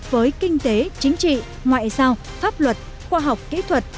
với kinh tế chính trị ngoại giao pháp luật khoa học kỹ thuật